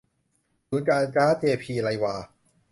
ศูนย์การค้าเจ.พี.ไรวา